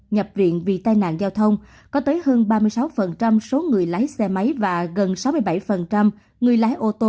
nhập viện vì tai nạn giao thông có tới hơn ba mươi sáu số người lái xe máy và gần sáu mươi bảy người lái ô tô